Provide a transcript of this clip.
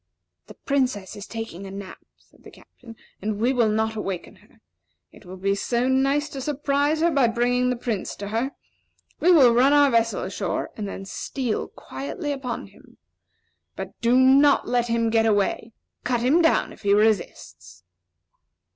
"The Princess is taking a nap," said the Captain, "and we will not awaken her. It will be so nice to surprise her by bringing the Prince to her. We will run our vessel ashore, and then steal quietly upon him. But do not let him get away. Cut him down, if he resists!"